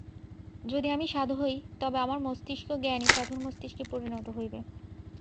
যদি আমি সাধু হই, তবে আমার মস্তিষ্ক জ্ঞানী সাধুর মস্তিষ্কে পরিণত হইবে।